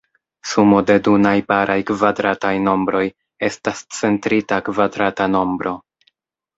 Sumo de du najbaraj kvadrataj nombroj estas centrita kvadrata nombro.